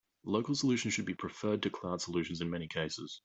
Local solutions should be preferred to cloud solutions in many cases.